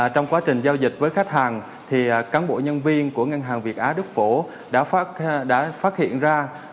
trong quá trình giao dịch với khách hàng cán bộ nhân viên của ngân hàng việt á đức phổ đã phát hiện ra